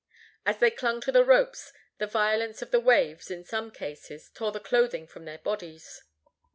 As they clung to the ropes, the violence of the waves, in some cases, tore the clothing from their bodies.